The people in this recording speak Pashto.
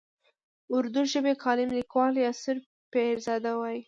اردو ژبی کالم لیکوال یاسر پیرزاده وايي.